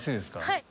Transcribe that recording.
はい。